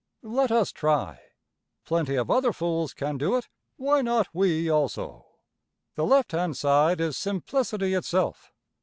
Let us try. Plenty of other fools can do it why not we also? The left hand side is simplicity itself.